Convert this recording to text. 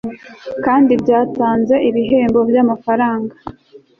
kandi byatanze ibihembo by'amafaranga